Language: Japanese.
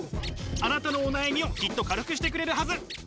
あなたのお悩みをきっと軽くしてくれるはず。